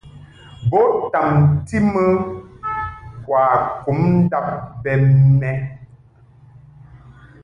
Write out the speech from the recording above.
Bo tamti mɨ kwakum ndab bɛ mɛʼ.